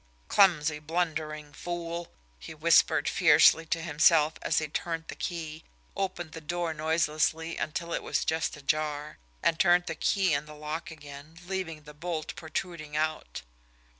"Clumsy, blundering fool!" he whispered fiercely to himself as he turned the key, opened the door noiselessly until it was just ajar, and turned the key in the lock again, leaving the bolt protruding out.